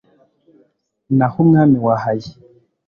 naho umwami wa hayi